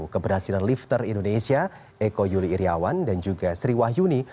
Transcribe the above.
keberhasilan lifter indonesia eko yuli iryawan dan juga sri wahyuni